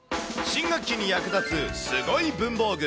新学期に役立つ、すごい文房具。